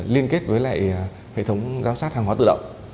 liên kết với lại hệ thống giám sát hàng hóa tự động